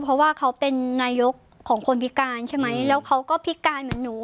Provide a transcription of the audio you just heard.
เพราะว่าเขาเป็นนายกของคนพิการใช่ไหมแล้วเขาก็พิการเหมือนหนู